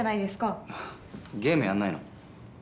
ゲームやんないの？